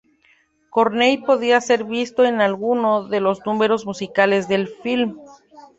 Carney podía ser visto en alguno de los números musicales del film.